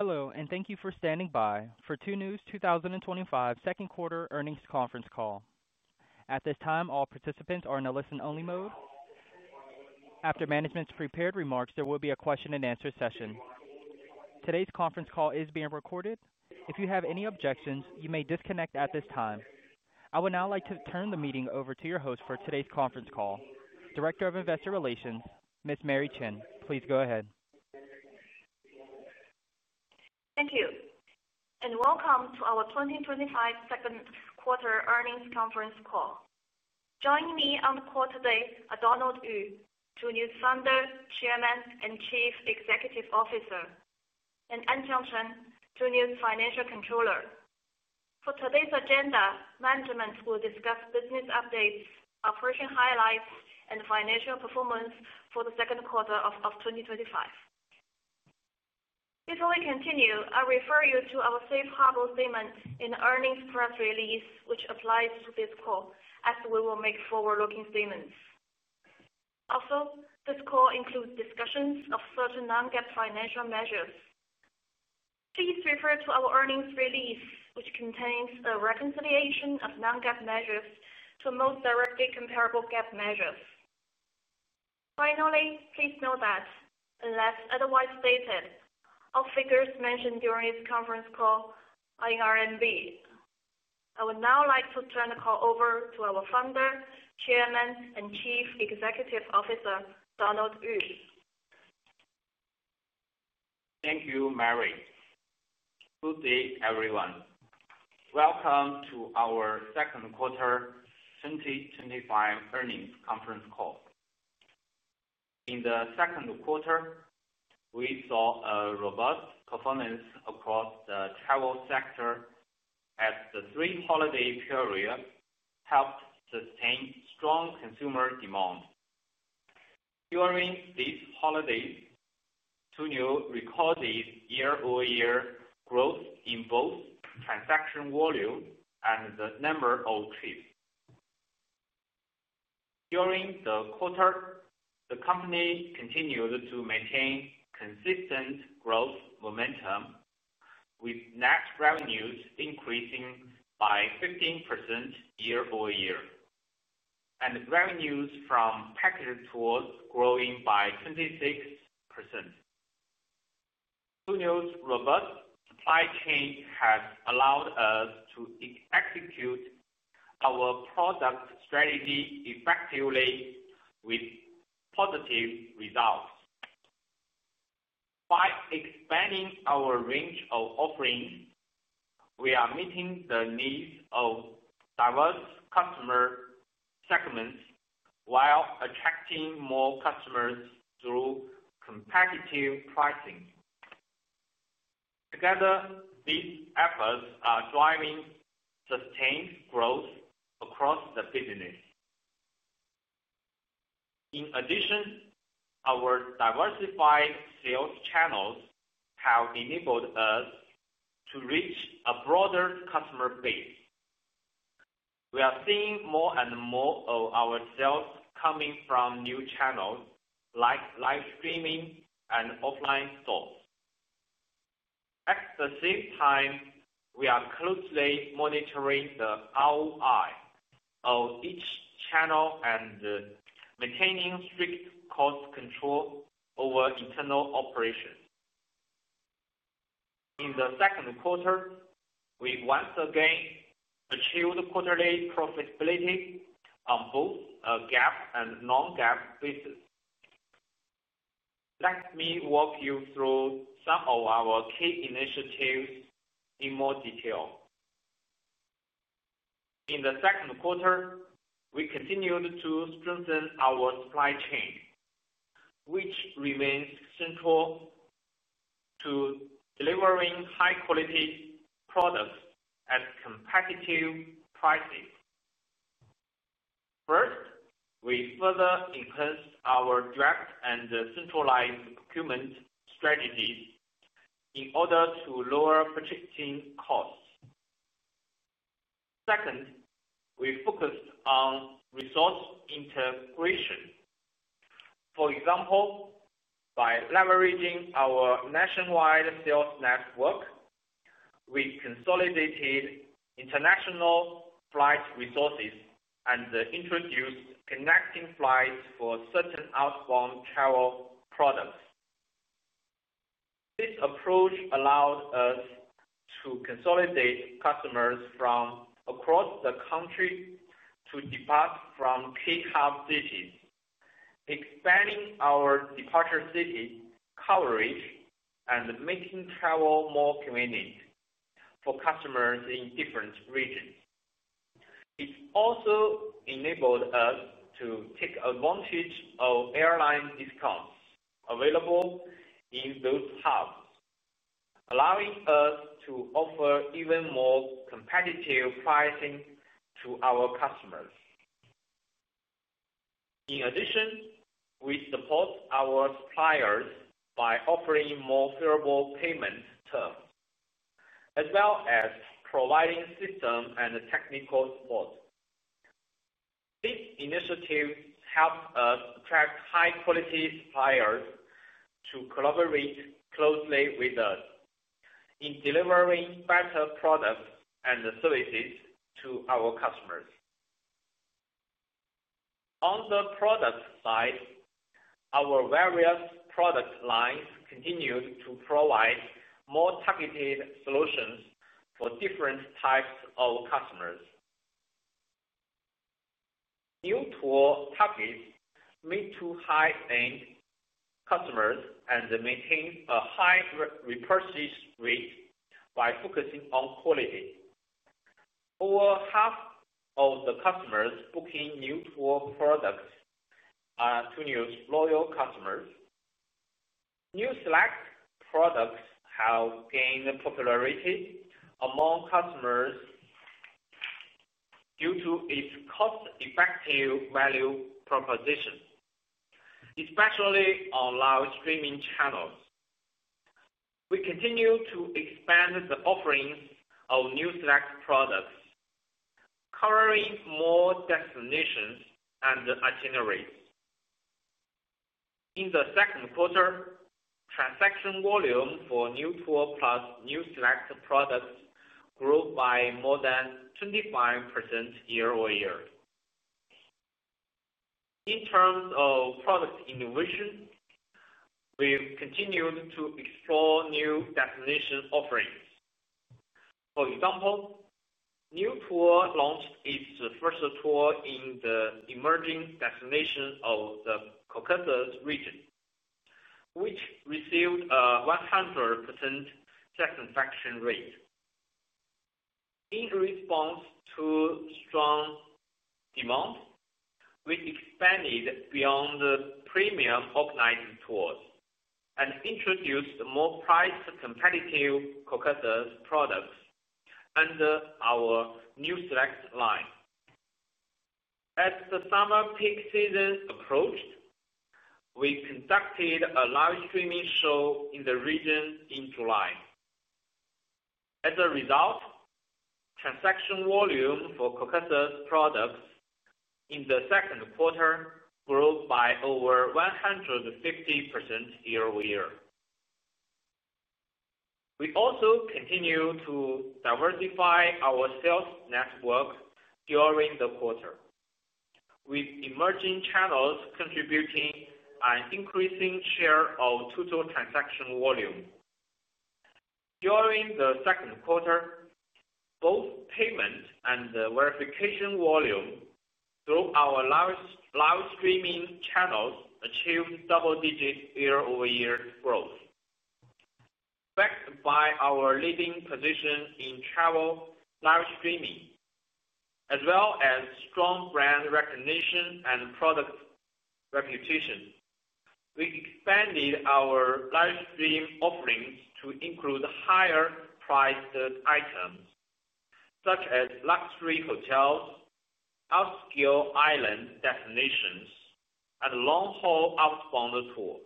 Hello, and thank you for standing by for Tuniu 2025 Second Quarter Earnings Conference call. At this time, all participants are in a listen-only mode. After management's prepared remarks, there will be a question and answer session. Today's conference call is being recorded. If you have any objections, you may disconnect at this time. I would now like to turn the meeting over to your host for today's conference call, Director of Investor Relations, Ms. Mary Chen. Please go ahead. Thank you, and welcome to our 2025 second quarter earnings conference call. Joining me on the call today are Donald Yu, Tuniu Founder, Chairman, and Chief Executive Officer, and Anqiang Chen, Tuniu Financial Controller. For today's agenda, management will discuss business updates, operation highlights, and financial performance for the second quarter of 2025. Before we continue, I'll refer you to our safe harbor statement in the earnings press release, which applies to this call, as we will make forward-looking statements. Also, this call includes discussions of certain non-GAAP financial measures. Please refer to our earnings release, which contains a reconciliation of non-GAAP measures to most directly comparable GAAP measures. Finally, please note that, unless otherwise stated, all figures mentioned during this conference call are in RMB. I would now like to turn the call over to our Founder, Chairman, and Chief Executive Officer, Donald Yu. Thank you, Mary. Good day, everyone. Welcome to our second quarter 2025 earnings conference call. In the second quarter, we saw a robust performance across the travel sector, as the three holiday periods helped sustain strong consumer demand. During these holidays, Tuniu recorded year-over-year growth in both transaction volume and the number of trips. During the quarter, the company continued to maintain consistent growth momentum, with net revenues increasing by 15% year-over-year, and revenues from package tours growing by 26%. Tuniu robust supply chain has allowed us to execute our product strategy effectively, with positive results. By expanding our range of offerings, we are meeting the needs of diverse customer segments while attracting more customers through competitive pricing. Together, these efforts are driving sustained growth across the business. In addition, our diversified sales channels have enabled us to reach a broader customer base. We are seeing more and more of our sales coming from new channels like live streaming and offline stores. At the same time, we are closely monitoring the ROI of each channel and maintaining strict cost control over internal operations. In the second quarter, we once again achieved quarterly profitability on both GAAP and non-GAAP basis. Let me walk you through some of our key initiatives in more detail. In the second quarter, we continued to strengthen our supply chain, which remains central to delivering high-quality products at competitive prices. First, we further enhanced our direct and centralized procurement strategies in order to lower purchasing costs. Second, we focused on resource integration. For example, by leveraging our nationwide sales network, we consolidated international flight resources and introduced connecting flights for certain outbound travel products. This approach allowed us to consolidate customers from across the country to depart from key hub cities, expanding our departure city coverage and making travel more convenient for customers in different regions. It also enabled us to take advantage of airline discounts available in those hubs, allowing us to offer even more competitive pricing to our customers. In addition, we support our suppliers by offering more favorable payment terms, as well as providing system and technical support. These initiatives help us attract high-quality suppliers to collaborate closely with us in delivering better products and services to our customers. On the product side, our various product lines continue to provide more targeted solutions for different types of customers. Niu Tour packages meet high-end customers and maintain a high repurchase rate by focusing on quality. Over half of the customers booking Niu Tour products are Tuniu's loyal customers. Niu Select products have gained popularity among customers due to its cost-effective value proposition, especially on live streaming channels. We continue to expand the offerings of Niu Select products, covering more destinations and itineraries. In the second quarter, transaction volume for Niu Tour plus Niu Select products grew by more than 25% year-over-year. In terms of product innovation, we've continued to explore new destination offerings. For example, Niu Tour launched its first tour in the emerging destination of the Kolkata region, which received a 100% satisfaction rate. In response to strong demand, we expanded beyond the premium hotline tour and introduced more price-competitive Kolkata's products under our Niu Select line. As the summer peak season approached, we conducted a live streaming show in the region in July. As a result, transaction volume for Kolkata products in the second quarter grew by over 150% year-over-year. We also continue to diversify our sales network during the quarter, with emerging channels contributing an increasing share of total transaction volume. During the second quarter, both payment and the verification volume through our live streaming channels achieved double-digit year-over-year growth. Backed by our leading position in travel live streaming, as well as strong brand recognition and product reputation, we expanded our live stream offerings to include higher-priced items such as luxury hotels, upscale island destinations, and long-haul outbound tours.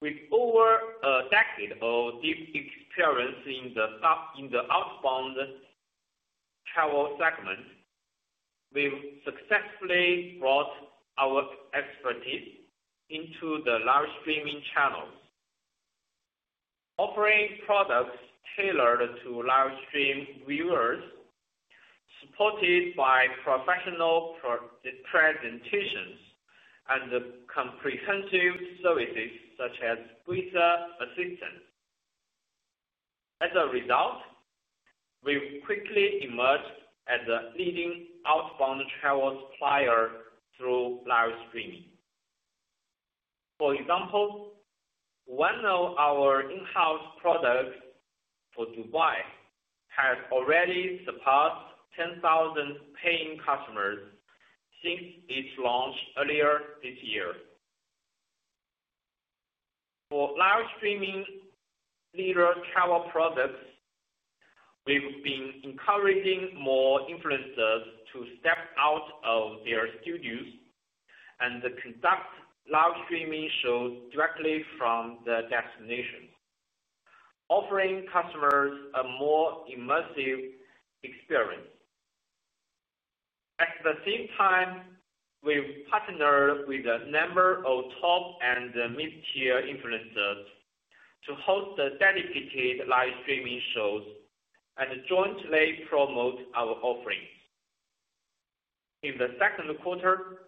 With over a decade of deep experience in the outbound travel segment, we've successfully brought our expertise into the live streaming channels, offering products tailored to live stream viewers, supported by professional presentations, and comprehensive services such as visa assistance. As a result, we've quickly emerged as a leading outbound travel supplier through live streaming. For example, one of our in-house products for Dubai has already surpassed 10,000 paying customers since its launch earlier this year. For live streaming leader travel products, we've been encouraging more influencers to step out of their studios and conduct live streaming shows directly from the destination, offering customers a more immersive experience. At the same time, we've partnered with a number of top and mid-tier influencers to host dedicated live streaming shows and jointly promote our offerings. In the second quarter,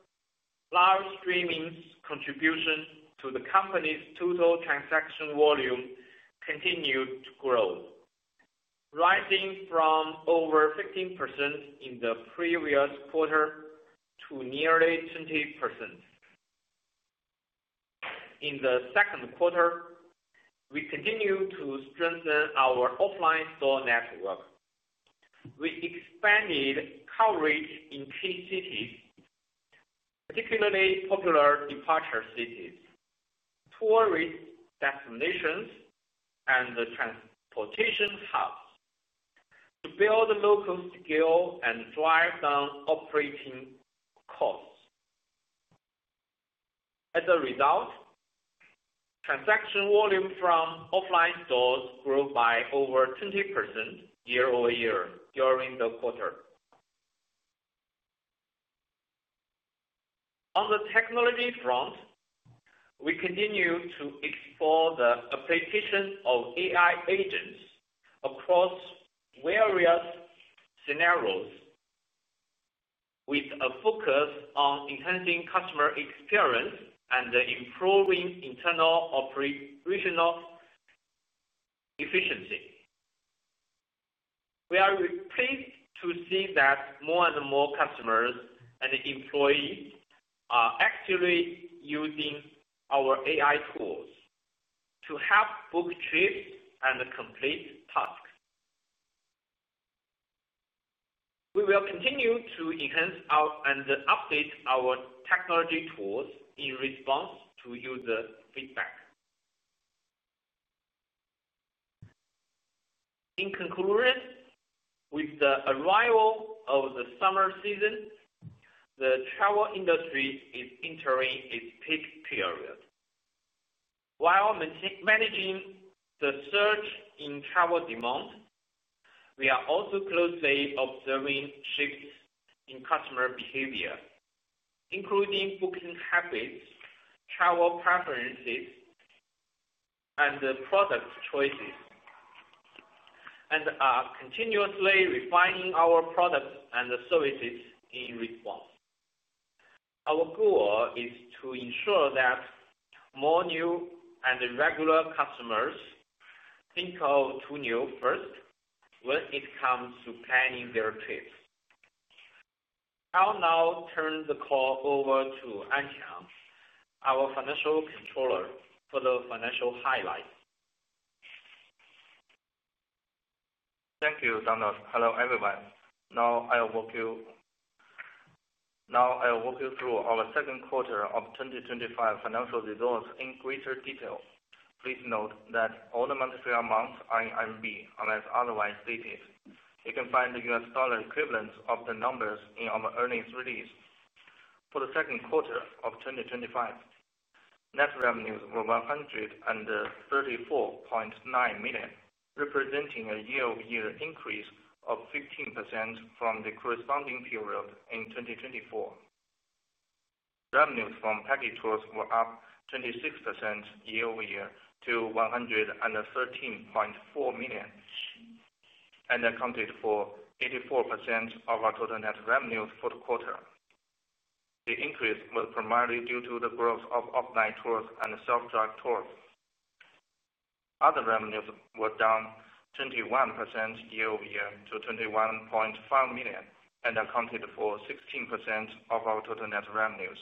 live streaming's contribution to the company's total transaction volume continued to grow, rising from over 15% in the previous quarter to nearly 20%. In the second quarter, we continue to strengthen our offline store network. We expanded coverage in key cities, particularly popular departure cities, tourist destinations, and transportation hubs to build local skill and drive down operating costs. As a result, transaction volume from offline stores grew by over 20% year-over-year during the quarter. On the technology front, we continue to explore the application of AI agents across various scenarios, with a focus on enhancing customer experience and improving internal operational efficiency. We are pleased to see that more and more customers and employees are actually using our AI tools to help book trips and complete tasks. We will continue to enhance and update our technology tools in response to user feedback. In conclusion, with the arrival of the summer season, the travel industry is entering its peak period. While managing the surge in travel demand, we are also closely observing shifts in customer behavior, including booking habits, travel preferences, and product choices, and are continuously refining our products and services in response. Our goal is to ensure that more new and regular customers think of Tuniu first when it comes to planning their trips. I'll now turn the call over to Anqiang Chen, our Financial Controller, for the financial highlights. Thank you, Donald. Hello, everyone. Now I'll walk you through our second quarter of 2025 financial results in greater detail. Please note that all the monthly figures are in RMB, unless otherwise stated. You can find the U.S. dollar equivalents of the numbers in our earnings release. For the second quarter of 2025, net revenues were $134.9 million, representing a year-over-year increase of 15% from the corresponding period in 2024. Revenues from package tours were up 26% year-over-year to $113.4 million, and accounted for 84% of our total net revenues for the quarter. The increase was primarily due to the growth of offline tours and self-drive tours. Other revenues were down 21% year-over-year to $21.5 million, and accounted for 16% of our total net revenues.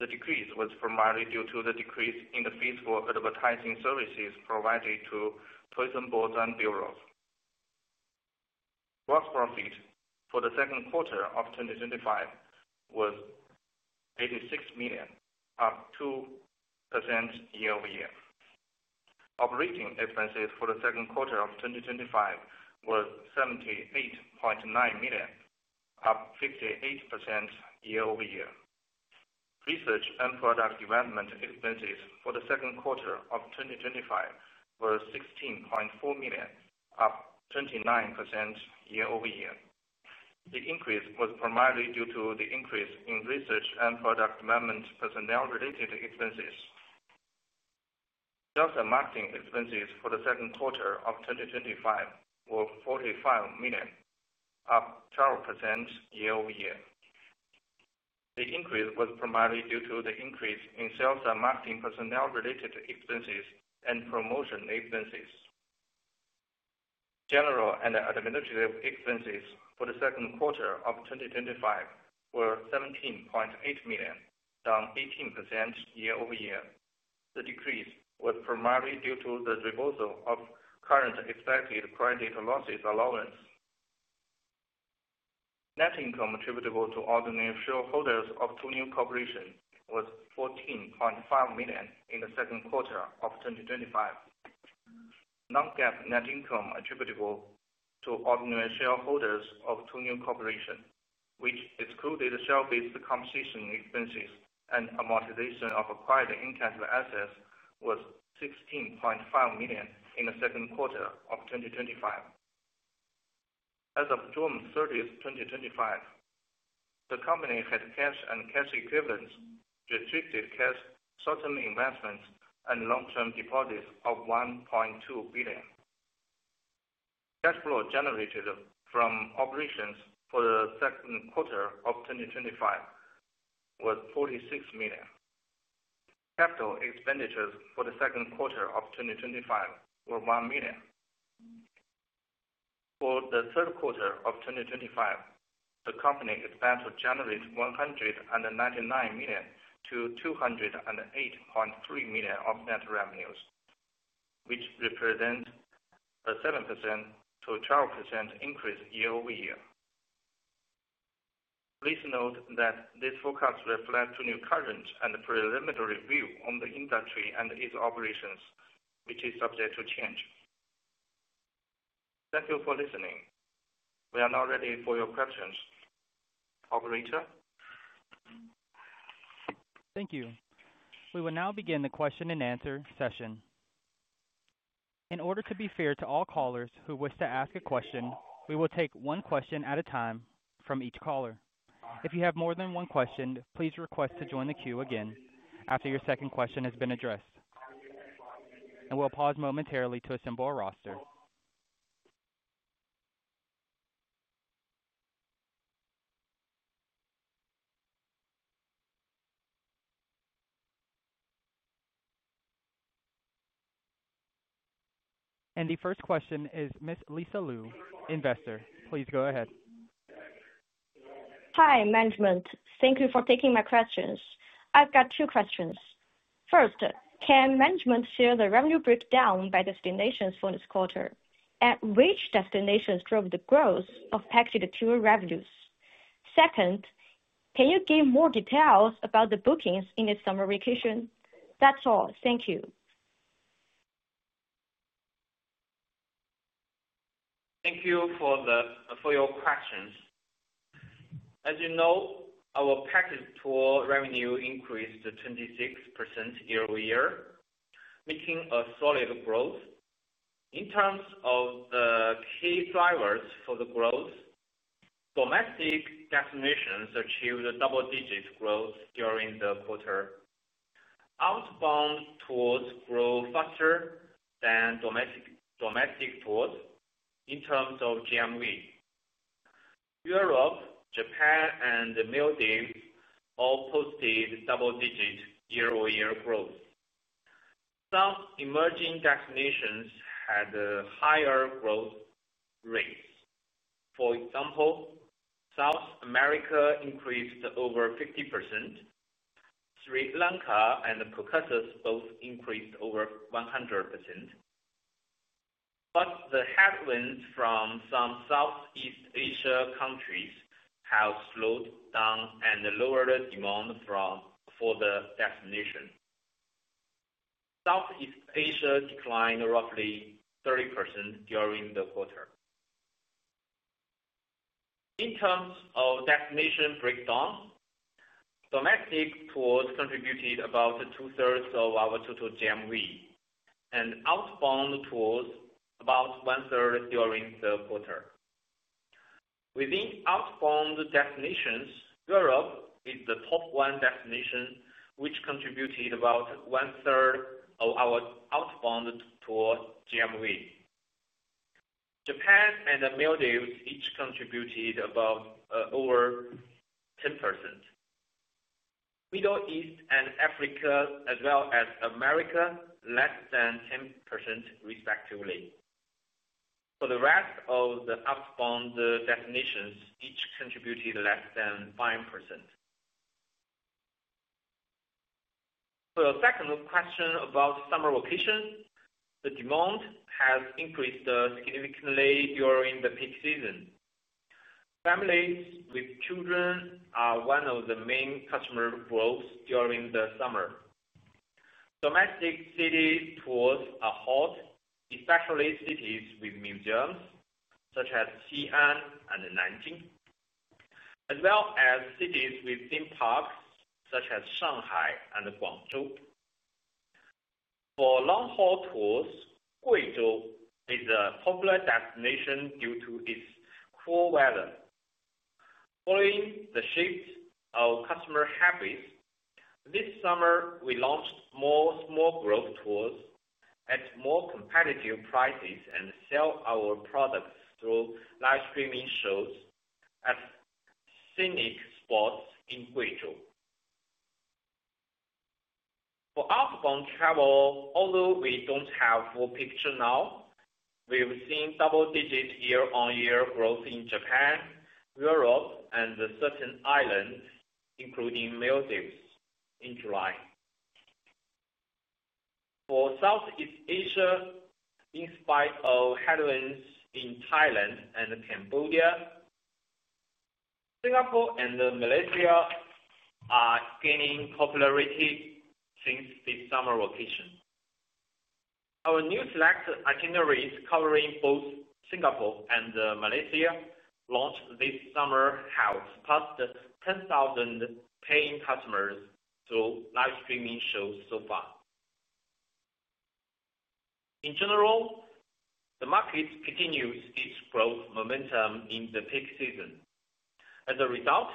The decrease was primarily due to the decrease in the fees for advertising services provided to prison boards and bureaus. Gross profit for the second quarter of 2025 was $86 million, up 2% year-over-year. Operating expenses for the second quarter of 2025 were $78.9 million, up 58% year-over-year. Research and product development expenses for the second quarter of 2025 were $16.4 million, up 29% year-over-year. The increase was primarily due to the increase in research and product development personnel-related expenses. Sales and marketing expenses for the second quarter of 2025 were $45 million, up 12% year-over-year. The increase was primarily due to the increase in sales and marketing personnel-related expenses and promotion expenses. General and administrative expenses for the second quarter of 2025 were $17.8 million, down 18% year-over-year. The decrease was primarily due to the reversal of current expected credit losses allowance. Net income attributable to ordinary shareholders of Tuniu Corporation, was $14.5 million in the second quarter of 2025. Non-GAAP net income attributable to ordinary shareholders of Tuniu Corporation, which excluded share-based compensation expenses and amortization of acquired intangible assets, was $16.5 million in the second quarter of 2025. As of June 30, 2025, the company had cash and cash equivalents, restricted cash, short-term investments, and long-term deposits of $1.2 billion. Cash flow generated from operations for the second quarter of 2025 was $46 million. Capital expenditures for the second quarter of 2025 were $1 million. For the third quarter of 2025, the company is about to generate $199 million-$208.3 million of net revenues, which represents a 7%-12% increase year-over-year. Please note that this forecast reflects Tuniu's current and preliminary view on the industry and its operations, which is subject to change. Thank you for listening. We are now ready for your questions. Operator? Thank you. We will now begin the question and answer session. In order to be fair to all callers who wish to ask a question, we will take one question at a time from each caller. If you have more than one question, please request to join the queue again after your second question has been addressed. We'll pause momentarily to assemble a roster. The first question is Ms. Lisa Lu, investor. Please go ahead. Hi, management. Thank you for taking my questions. I've got two questions. First, can management share the revenue breakdown by destinations for this quarter? Which destinations drove the growth of package tour revenues? Second, can you give more details about the bookings in the summer vacation? That's all. Thank you. Thank you for your questions. As you know, our package tour revenue increased 26% year-over-year, making a solid growth. In terms of the key drivers for the growth, domestic destinations achieved double-digit growth during the quarter. Outbound tours grew faster than domestic tours in terms of GMV. Europe, Japan, and the Maldives all posted double-digit year-over-year growth. Some emerging destinations had higher growth rates. For example, South America increased over 50%. Sri Lanka and Kolkata both increased over 100%. The headwinds from some Southeast Asia countries have slowed down and lowered the demand for the destination. Southeast Asia declined roughly 30% during the quarter. In terms of destination breakdown, domestic tours contributed about two-thirds of our total GMV, and outbound tours about one-third during the quarter. Within outbound destinations, Europe is the top one destination, which contributed about one-third of our outbound tour GMV. Japan and the Maldives each contributed over 10%. Middle East and Africa, as well as America, less than 10% respectively. For the rest of the outbound destinations, each contributed less than 5%. For the second question about summer vacation, the demand has increased significantly during the peak season. Families with children are one of the main customer growths during the summer. Domestic city tours are hot, especially cities with museums, such as Xi'an and Nanjing, as well as cities with theme parks, such as Shanghai and Guangzhou. For long-haul tours, Guizhou is a popular destination due to its cool weather. Following the shift of customer habits, this summer we launched more small group tours at more competitive prices and sell our products through live streaming shows at scenic spots in Guizhou. For outbound travel, although we don't have a full picture now, we've seen double-digit year-on-year growth in Japan, Europe, and certain islands, including Maldives, in July. For Southeast Asia, in spite of headwinds in Thailand and Cambodia, Singapore and Malaysia are gaining popularity since the summer vacation. Our Niu Select itineraries covering both Singapore and Malaysia launched this summer have surpassed 10,000 paying customers through live streaming shows so far. In general, the market continues its growth momentum in the peak season. As a result,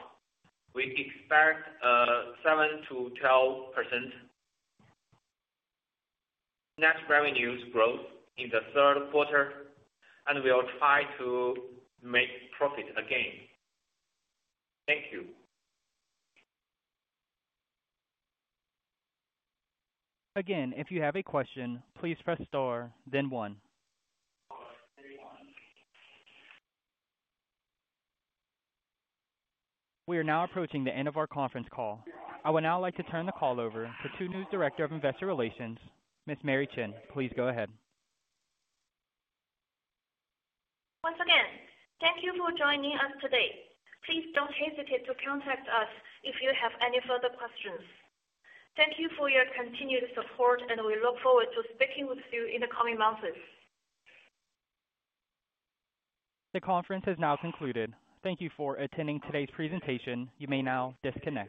we expect a 7%-12% net revenues growth in the third quarter, and we'll try to make profit again. Thank you. Again, if you have a question, please press star, then one. We are now approaching the end of our conference call. I would now like to turn the call over to Tunius Director of Investor Relations, Ms. Mary Chen. Please go ahead. Once again, thank you for joining us today. Please don't hesitate to contact us if you have any further questions. Thank you for your continued support, and we look forward to speaking with you in the coming months. The conference has now concluded. Thank you for attending today's presentation. You may now disconnect.